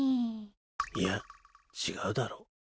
いや違うだろ。